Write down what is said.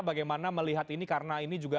bagaimana melihat ini karena ini juga